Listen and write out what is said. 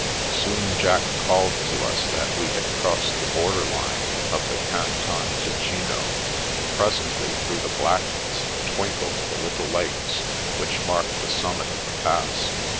Soon Jack called to us that we had crossed the border line of the Canton Ticino, and presently through the blackness twinkled the little lakes which mark the summit of the Pass.